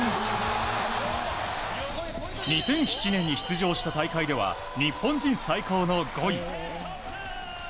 ２００７年に出場した大会では日本人最高の５位。